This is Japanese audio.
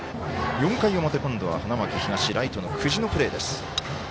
４回表、今度は花巻東ライトの久慈のプレーです。